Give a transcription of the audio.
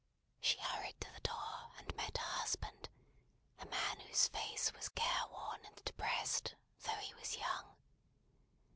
She hurried to the door, and met her husband; a man whose face was careworn and depressed, though he was young.